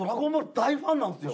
大ファンなんですよ。